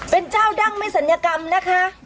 เป็นเจ้าดั้งไม่ศัลยกรรมนะคะ